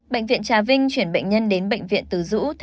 bệnh viện trà vinh chuyển bệnh nhân đến bệnh viện từ dũ tp hcm